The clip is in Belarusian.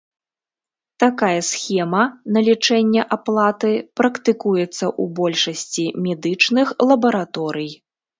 Такая схема налічэння аплаты практыкуецца ў большасці медычных лабараторый.